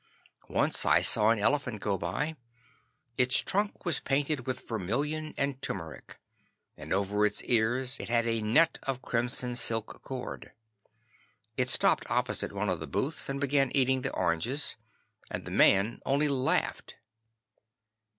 Once I saw an elephant go by. Its trunk was painted with vermilion and turmeric, and over its ears it had a net of crimson silk cord. It stopped opposite one of the booths and began eating the oranges, and the man only laughed.